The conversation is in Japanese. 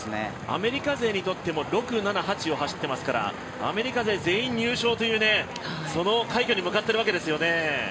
アメリカ勢にとっても６、７、８を走っていますからアメリカ勢、全員入賞というその快挙に向かっているわけですよね。